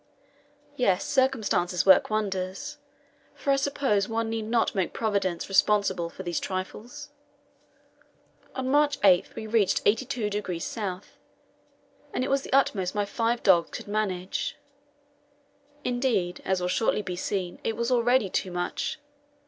Yes, circumstances work wonders; for I suppose one need not make Providence responsible for these trifles? On March 8 we reached 82° S., and it was the utmost my five dogs could manage. Indeed, as will shortly be seen, it was already too much.